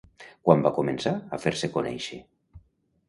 Quan va començar a fer-se conèixer?